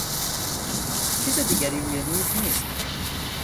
چیز دیگری روی میز نیست.